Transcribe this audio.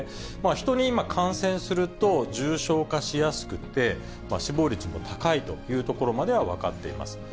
ヒトに感染すると重症化しやすくて、死亡率も高いというところまでは分かっています。